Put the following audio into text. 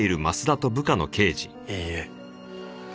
いいえ。